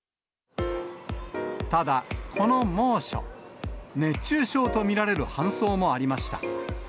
ただ、この猛暑、熱中症と見られる搬送もありました。